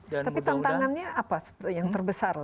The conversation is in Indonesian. tapi tantangannya apa yang terbesar